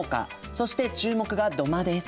そして注目が土間です。